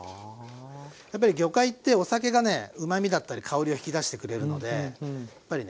やっぱり魚介ってお酒がねうまみだったり香りを引き出してくれるのでやっぱりね